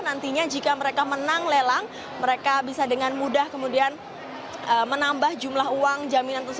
nantinya jika mereka menang lelang mereka bisa dengan mudah kemudian menambah jumlah uang jaminan